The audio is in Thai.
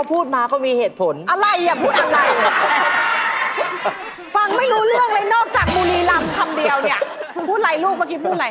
พูดอะไรลูกเมื่อกี้พูดอะไร